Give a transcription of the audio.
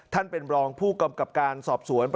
ท่านเป็นรองผู้กำกับการสอบสวน